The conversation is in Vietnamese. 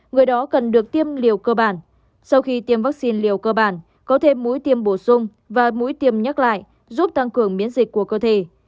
người đó cần được tiêm liều cơ bản sau khi tiêm vaccine liều cơ bản có thêm mũi tiêm bổ sung và mũi tiêm nhắc lại giúp tăng cường miễn dịch của cơ thể